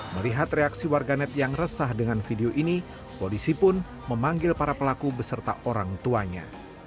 melihat reaksi warganet yang resah dengan video ini polisi pun memanggil para pelaku beserta orang tuanya